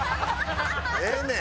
ええねん。